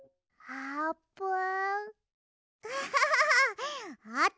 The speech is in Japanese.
あーぷん！